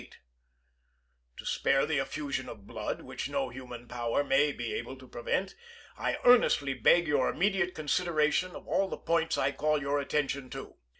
SOUTH CAROLINA SECESSION To spare the effusion of blood, which no human power may be able to prevent, I earnestly beg your immediate consideration of all the points I call your attention to.